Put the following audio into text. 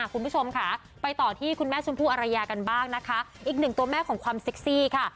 คุณผู้ชมค่ะไปต่อที่คุณแม่ชมพู่อรยากันบ้างนะคะอีกหนึ่งตัวแม่ของความเซ็กซี่ค่ะ